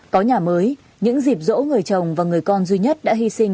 có nhà mới những dịp dỗ người chồng và người con duy nhất đã hy sinh